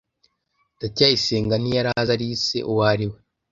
ndacyayisenga ntiyari azi alice uwo ari we